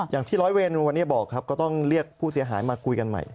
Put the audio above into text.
อย่างที่ร้อยเวนวันนี้บอกครับก็ต้องเรียกผู้เสียหายมาคุยกันใหม่